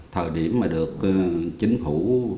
thời điểm mà được chính phủ